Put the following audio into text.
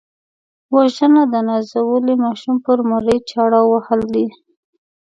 وژنه د نازولي ماشوم پر مرۍ چاړه وهل دي